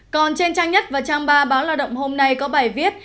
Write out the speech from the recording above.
còn trên trang nhất và trang ba báo lao động hôm nay có bài viết